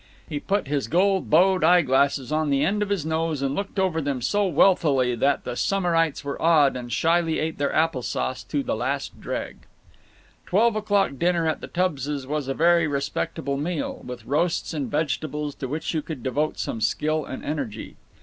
He put his gold bowed eye glasses on the end of his nose and looked over them so wealthily that the summerites were awed and shyly ate their apple sauce to the last dreg. Twelve o'clock dinner at the Tubbses' was a very respectable meal, with roasts and vegetables to which you could devote some skill and energy.